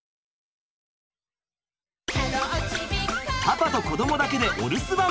パパと子どもだけでお留守番。